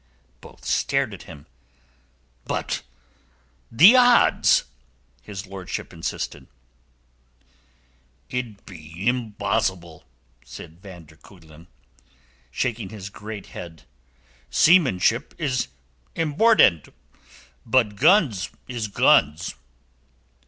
Both stared at him. "But the odds!" his lordship insisted. "Id is imbossible," said van der Kuylen, shaking his great head. "Seamanship is imbordand. Bud guns is guns."